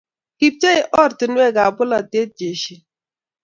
Kibchei ortinwekab bolotet jeshit.